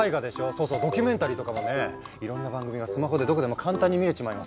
そうそうドキュメンタリーとかもねいろんな番組がスマホでどこでも簡単に見れちまいますよ。